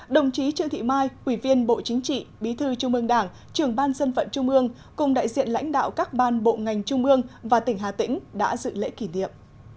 đồng chí trương thị mai ủy viên bộ chính trị bí thư trung ương đảng trưởng ban dân vận trung ương cùng đại diện lãnh đạo các ban bộ ngành trung ương và tỉnh hà tĩnh đã dự lễ kỷ niệm